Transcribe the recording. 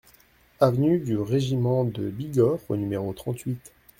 Avenue du Régiment de Bigorre au numéro trente-huit